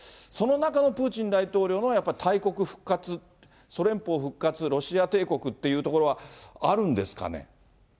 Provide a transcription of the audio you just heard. その中のプーチン大統領の大国復活、ソ連邦復活、ロシア帝国っていうところはあるんですかね。